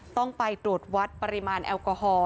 ต้องไปตรวจวัดปริมาณแอลกอฮอล